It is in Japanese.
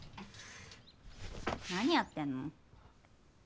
何やってんの？